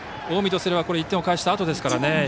近江とすれば１点返したあとですからね。